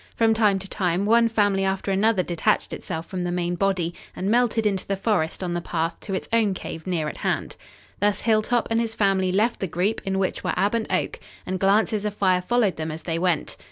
From time to time, one family after another detached itself from the main body and melted into the forest on the path to its own cave near at hand. Thus Hilltop and his family left the group in which were Ab and Oak, and glances of fire followed them as they went.